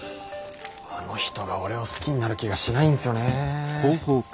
あの人が俺を好きになる気がしないんすよね。